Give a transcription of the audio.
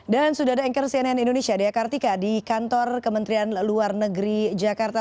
dan sudah ada anchor cnn indonesia dea kartika di kantor kementerian luar negeri jakarta